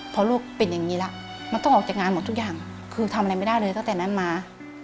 พอลูกเป็นอย่างนี้แล้วมันต้องออกจากงานหมดทุกอย่างคือทำอะไรไม่ได้เลยตั้งแต่นั้นมา